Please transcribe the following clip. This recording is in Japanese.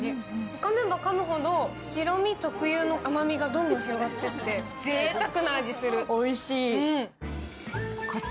かめばかむほど白身特有の甘みがどんどん広がっていって、ぜいたくな味がする。